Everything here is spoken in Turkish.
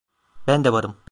Ben de varım.